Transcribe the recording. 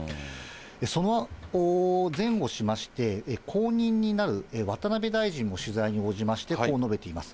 その前後しまして、後任になる渡辺大臣も取材に応じまして、こう述べています。